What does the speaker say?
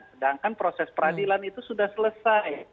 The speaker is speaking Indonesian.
sedangkan proses peradilan itu sudah selesai